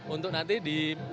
untuk nanti di